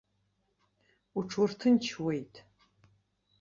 Уҽуырҭынчуеит.